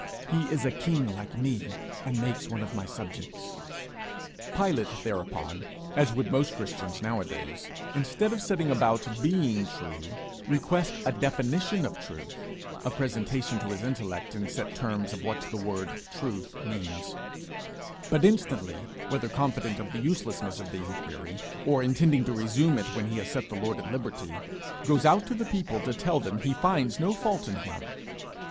He is a king like me, and makes one of my subjects.' Pilate thereupon as would most Christians nowadays, instead of setting about being true requests a definition of truth, a presentation to his intellect in set terms of what the word 'truth' means; but instantly, whether confident of the uselessness of the inquiry, or intending to resume it when he has set the Lord at liberty, goes out to the people to tell them he finds no fault in him.